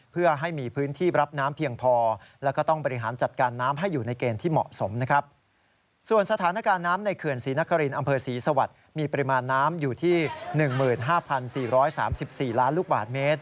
เพื่อให้มีพื้นที่รับน้ำเพียงพอแล้วก็ต้องบริหารจัดการน้ำให้อยู่ในเกณฑ์ที่เหมาะสมนะครับ